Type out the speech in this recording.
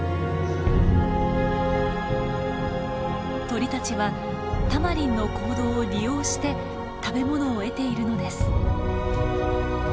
鳥たちはタマリンの行動を利用して食べ物を得ているのです。